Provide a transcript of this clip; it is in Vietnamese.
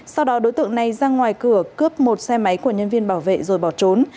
sau đó đối tượng này ra ngoài cửa cướp một xe máy của nhân viên bảo vệ rồi bỏ trốn